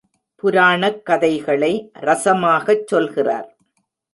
புராணக் கதைகளை ரசமாகச் சொல்கிறார்.